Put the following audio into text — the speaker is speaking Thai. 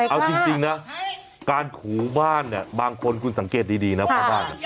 เอาจริงนะการขูบ้านบางคนคุณสังเกตดีนะครับ